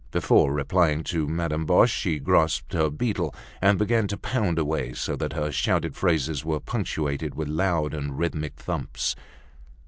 Before replying to Madame Boche she grasped her beetle and began to pound away so that her shouted phrases were punctuated with loud and rhythmic thumps.